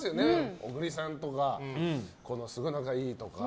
小栗さんとかすごい仲いいとか。